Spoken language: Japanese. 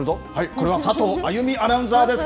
これは佐藤あゆみアナウンサーです。